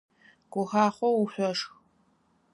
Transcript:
Гухахъоу шъошх!